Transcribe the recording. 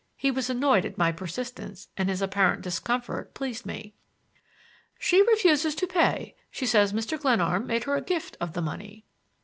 He was annoyed at my persistence and his apparent discomfort pleased me. "She refuses to pay. She says Mr. Glenarm made her a gift of the money."